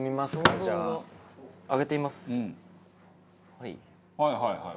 はいはいはいはい。